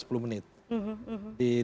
di daerah kalibata di jakarta ya